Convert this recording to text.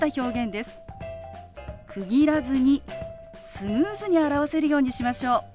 区切らずにスムーズに表せるようにしましょう。